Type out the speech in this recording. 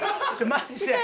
マジで。